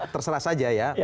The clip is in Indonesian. terserah saja ya